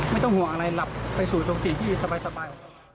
ไม่ต้องห่วงอะไรหลับไปสู่สมศิษย์ที่สบาย